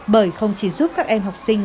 bởi không chỉ giúp các em học sinh